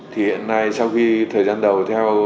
thì hiện nay sau khi thời gian đầu theo